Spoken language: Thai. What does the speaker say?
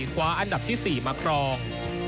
คว้าอันดับที่๔มาครอง